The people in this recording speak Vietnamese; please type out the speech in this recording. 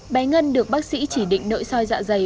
bé ngân được bác sĩ chỉ định nội soi dạ dày